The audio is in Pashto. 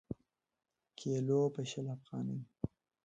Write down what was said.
کیلـو په شل افغانۍ.